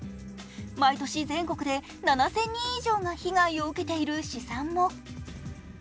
毎年、全国で７０００人以上が被害を受けている試算も。